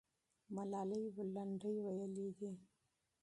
ملالۍ لنډۍ ویلې دي.